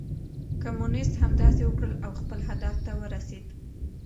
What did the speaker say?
کمونيسټ همداسې وکړل او خپل هدف ته ورسېد.